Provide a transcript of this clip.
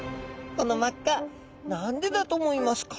この真っ赤何でだと思いますか？